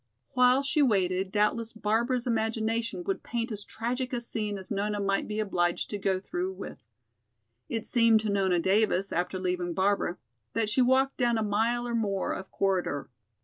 While she waited, doubtless Barbara's imagination would paint as tragic a scene as Nona might be obliged to go through with. It seemed to Nona Davis, after leaving Barbara, that she walked down a mile or more of corridor.